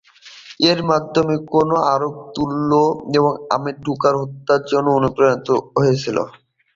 এর মাধ্যমে, কেন আরক তুংগুল আমেতুংকে হত্যা করার জন্য অনুপ্রাণিত হয়েছিল।